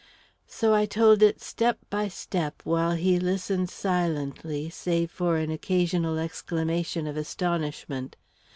So I told it step by step, while he listened silently, save for an occasional exclamation of astonishment.